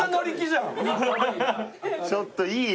ちょっといい？